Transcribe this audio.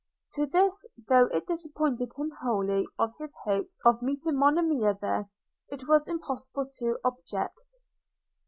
To this, though it disappointed him wholly of his hopes of meeting Monimia there, it was impossible to object.